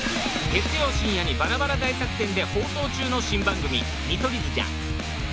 月曜深夜にバラバラ大作戦で放送中の新番組『見取り図じゃん』